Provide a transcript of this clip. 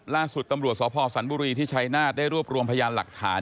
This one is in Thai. ล่าสุดตำรวจสพสันบุรีที่ชัยนาธได้รวบรวมพยานหลักฐาน